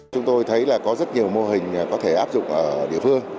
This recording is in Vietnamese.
chúng tôi thấy là có rất nhiều mô hình có thể áp dụng ở địa phương